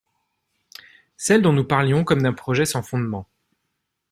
Celles dont nous parlions comme d'un projet sans fondements?